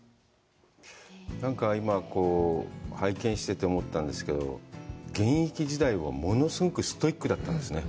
なんか今拝見してて思ったんですけど、現役時代は物すごくストイックだったんですね。